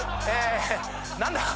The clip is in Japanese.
何だ？